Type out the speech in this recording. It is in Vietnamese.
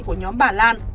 của nhóm bà lan